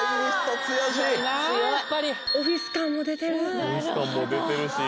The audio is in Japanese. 強いなぁやっぱりオフィス感も出てるし